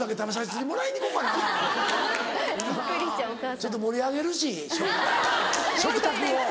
ちょっと盛り上げるし食卓を。